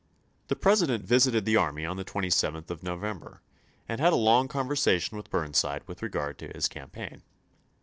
The President visited the army on the 27th of November, and had a long conversation with Burn side with regard to his campaign.